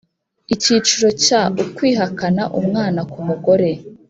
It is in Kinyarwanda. Icyiciro cya ukwihakana umwana k umugore